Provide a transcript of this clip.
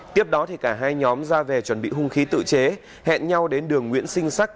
tiếp đó cả hai nhóm ra về chuẩn bị hung khí tự chế hẹn nhau đến đường nguyễn sinh sắc